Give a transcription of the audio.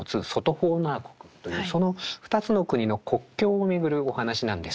ホーナー国というその２つの国の国境を巡るお話なんです。